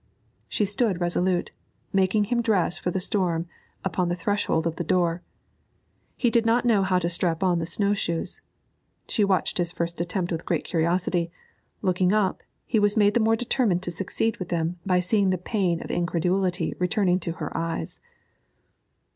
She stood resolute, making him dress for the storm upon the threshold of the door. He did not know how to strap on the snow shoes. She watched his first attempt with great curiosity; looking up, he was made the more determined to succeed with them by seeing the pain of incredulity returning to her eyes.